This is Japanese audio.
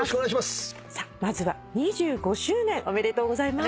さあまずは２５周年おめでとうございます。